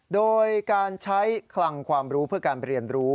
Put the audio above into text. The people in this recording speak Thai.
โดยการใช้คลังความรู้เพื่อการเรียนรู้